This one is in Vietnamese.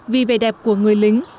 vì vẻ đẹp của người lính